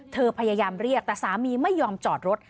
พยายามเรียกแต่สามีไม่ยอมจอดรถ